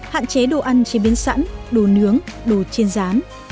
hạn chế đồ ăn chế biến sẵn đồ nướng đồ trên rán